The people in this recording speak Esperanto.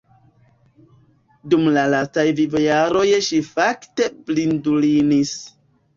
Dum la lastaj vivojaroj ŝi fakte blindulinis.